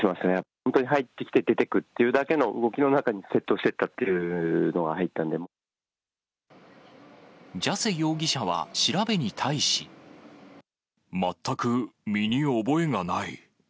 本当に入ってきて出てくっていうだけの動きの中に窃盗していったジャセ容疑者は調べに対し。全く身に覚えがない。